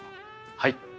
はい。